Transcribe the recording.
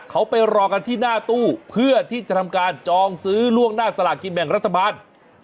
เขาไปรอกันที่หน้าตู้เพื่อที่จะทำการจองซื้อล่วงหน้าสลากินแบ่งรัฐบาล